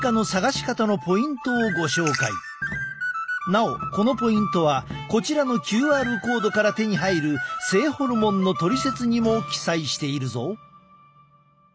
なおこのポイントはこちらのＱＲコードから手に入る「性ホルモンのトリセツ」にも記載しているぞ。